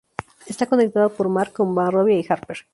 Está conectada por mar con Monrovia y Harper.